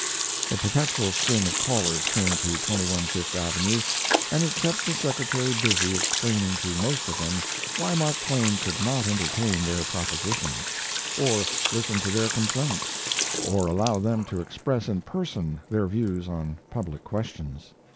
A perpetual string of callers came to 21 Fifth Avenue, and it kept the secretary busy explaining to most of them why Mark Twain could not entertain their propositions, or listen to their complaints, or allow them to express in person their views on public questions.